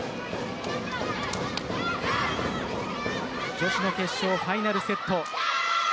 女子の決勝、ファイナルセット。